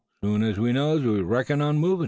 Soon's as we knows, we reckons on movin'."